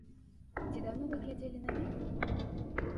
Ці даўно вы глядзелі на неба?